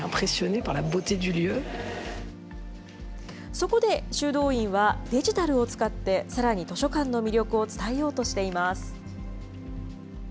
そこで修道院はデジタルを使ってさらに図書館の魅力を伝えようとしています。